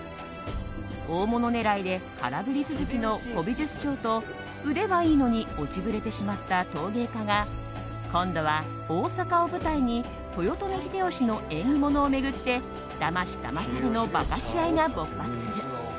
大物狙いで空振り続きの古美術商と腕はいいのに落ちぶれてしまった陶芸家が今度は大阪を舞台に豊臣秀吉の縁起物を巡ってだましだまされの化かし合いが勃発する。